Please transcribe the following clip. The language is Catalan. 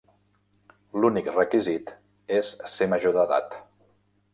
L’únic requisit és ser major d’edat.